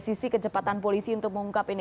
sisi kecepatan polisi untuk mengungkap ini